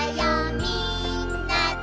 みんなで」